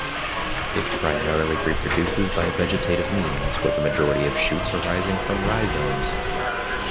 It primarily reproduces by vegetative means, with the majority of shoots arising from rhizomes.